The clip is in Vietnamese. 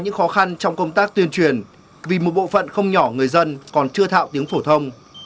những khó khăn trong công tác tuyên truyền vì một bộ phận không nhỏ người dân còn chưa thạo tiếng phổ thông